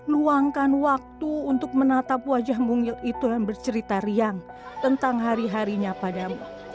luangkan waktu untuk menatap wajah mungil itu yang bercerita riang tentang hari harinya padamu